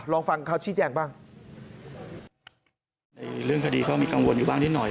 ลองฟังเขาชี้แจ้งบ้างในเรื่องคดีเขามีกังวลอยู่บ้างนิดหน่อย